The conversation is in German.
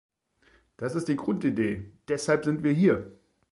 Das ist die Grundidee, deshalb sind wir hier!